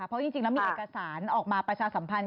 เพราะจริงแล้วมีเอกสารออกมาประชาสัมพันธ